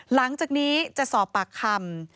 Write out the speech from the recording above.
หลังจากนี้จะสอบปากคำ